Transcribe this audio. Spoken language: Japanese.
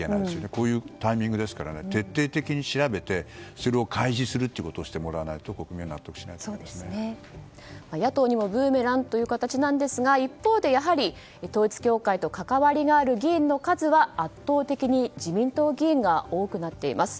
こういうタイミングですから徹底的に調べて開示するということをしてもらわないと野党にもブーメランという形なんですが一方で統一教会と関わりがある議員の数は圧倒的に自民党議員が多くなっています。